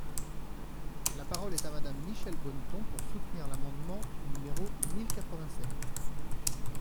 La parole est à Madame Michèle Bonneton, pour soutenir l’amendement numéro mille quatre-vingt-sept.